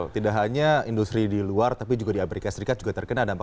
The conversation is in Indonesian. tidak hanya industri di luar tapi juga di amerika serikat juga terkena dampak